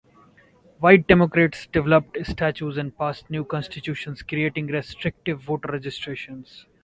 White Democrats developed statutes and passed new constitutions creating restrictive voter registration rules.